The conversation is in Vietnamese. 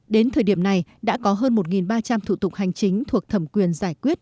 đến thời điểm này đã có hơn một ba trăm linh thủ tục hành chính thuộc thẩm quyền giải quyết